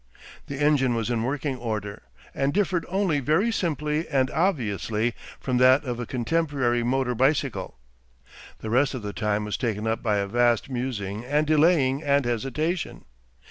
The engine was in working order, and differed only very simply and obviously from that of a contemporary motor bicycle. The rest of the time was taken up by a vast musing and delaying and hesitation.